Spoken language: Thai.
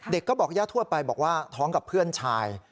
เด็กก็บอกย่าทั่วไปบอกว่าท้องกับเพื่อนชาย